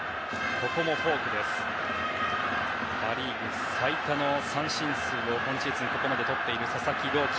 パ・リーグ最多の三振数をここまで取っている佐々木朗希。